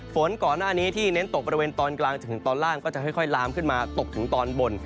ฝนก่อนหน้านี้ที่เน้นตกบริเวณตอนกลางจนถึงตอนล่างก็จะค่อยลามขึ้นมาตกถึงตอนบน